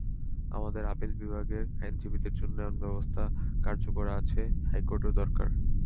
আমাদের আপিল বিভাগের আইনজীবীদের জন্য এমন ব্যবস্থা কার্যকর আছে, হাইকোর্টেও দরকার।